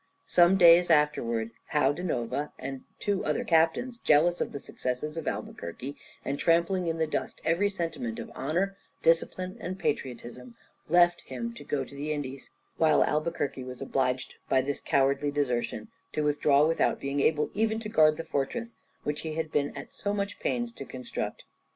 Some days afterwards Joao da Nova and two other captains, jealous of the successes of Albuquerque, and trampling in the dust every sentiment of honour, discipline, and patriotism, left him to go to the Indies; while Albuquerque was obliged by this cowardly desertion to withdraw without being able even to guard the fortress which he had been at so much pains to construct.